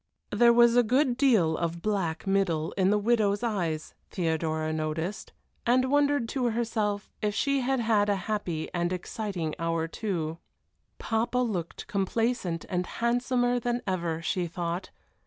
There was a good deal of black middle in the widow's eyes, Theodora noticed, and wondered to herself if she had had a happy and exciting hour too. Papa looked complacent and handsomer than ever, she thought.